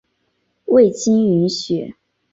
未经允许